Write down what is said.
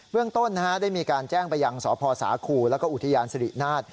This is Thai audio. เรื่องต้นได้มีการแจ้งไปยังสพสาคูแล้วก็อุทยานสิรินาฏ